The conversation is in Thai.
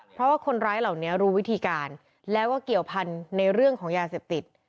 เพราะว่าคนร้ายเหล่านี้รู้วิธีการแล้วก็เกี่ยวพันธุ์ในเรื่องของยาเสพติด